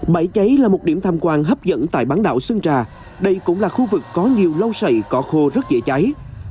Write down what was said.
bãi cháy là một điểm tham quan hấp dẫn tại bán đảo sơn trà đây cũng là khu vực có nhiều lau sầy cỏ khô rất dễ cháy